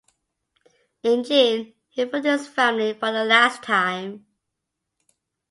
In June, he phoned his family for the last time.